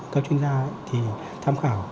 các chuyên gia thì tham khảo